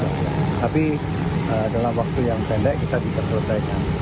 tapi dalam waktu yang pendek kita bisa selesaikan